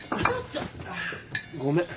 ・ごめん。